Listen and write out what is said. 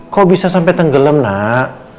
kok bisa sampai tenggelam nak